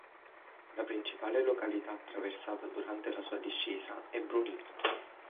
La principale località attraversata durante la sua discesa è Brunico.